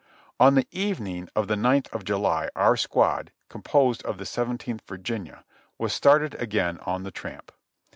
On the evening of the ninth of July our squad, composed of the Seventeenth Virginia, was started again on the tramp.